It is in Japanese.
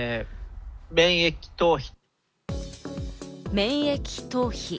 免疫逃避。